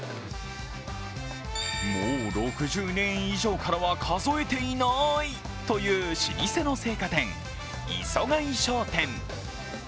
もう６０年以上からは数えていないという老舗の青果店、五十貝商店。